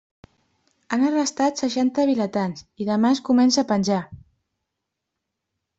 Han arrestat seixanta vilatans, i demà es comença a penjar.